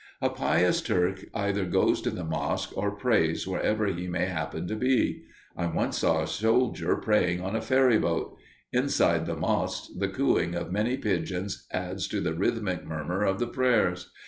A pious Turk either goes to the mosque, or prays wherever he may happen to be. I once saw a soldier praying on a ferry boat. Inside the mosques the cooing of many pigeons adds to the rhythmic murmur of the prayers.